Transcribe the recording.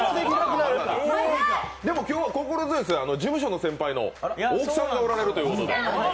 でも今日は心強いですよ、事務所の先輩の大木さんがおられるということで。